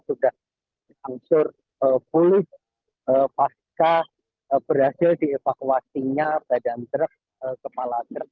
sudah hancur pulih pasca berhasil dievakuasinya badan truk kepala truk